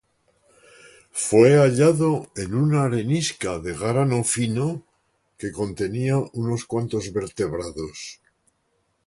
Fue hallado en una arenisca de grano fino que contenía a unos cuantos vertebrados.